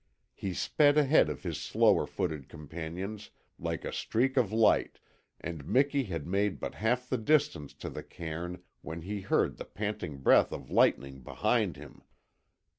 He sped ahead of his slower footed companions like a streak of light, and Miki had made but half the distance to the cairn when he heard the panting breath of Lightning behind him.